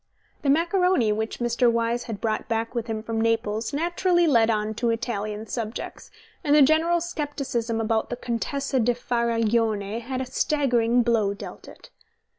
The macaroni which Mr. Wyse had brought back with him from Naples naturally led on to Italian subjects, and the general scepticism about the Contessa di Faraglione had a staggering blow dealt it.